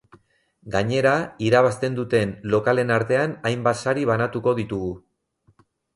Gainera, irabazten duten lokalen artean hainbat sari banatuko ditugu.